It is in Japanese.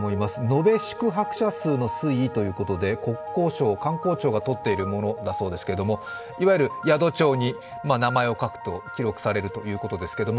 延べ宿泊者数の推移ということで国交省、観光庁がとっているものだそうですがいわゆる宿帳に名前を書くと記録されるということですけど。